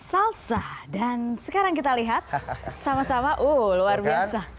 salsa dan sekarang kita lihat sama sama uh luar biasa